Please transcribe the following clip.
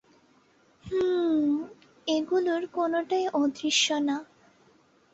হুম, এগুলোর কোনোটাই অদৃশ্য না।